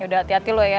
yaudah hati hati lo ya